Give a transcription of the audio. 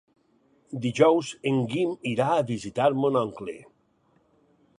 Dijous en Guim irà a visitar mon oncle.